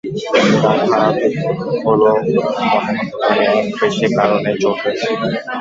এটার খারাপ দিক হলো মনে হতে পারে একপেশে কারণে জোট হয়েছে।